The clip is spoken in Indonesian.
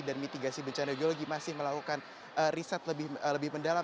mitigasi bencana geologi masih melakukan riset lebih mendalam